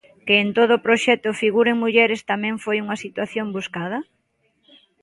Que en todo o proxecto figuren mulleres tamén foi unha situación buscada?